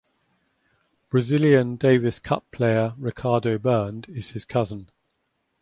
Brazilian Davis Cup player Ricardo Bernd is his cousin.